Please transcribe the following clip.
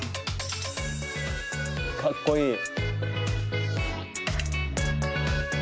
かっこいい。